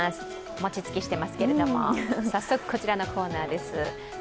餅つきしてますけれども、早速こちらのコーナーです。